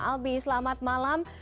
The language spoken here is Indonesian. albi selamat malam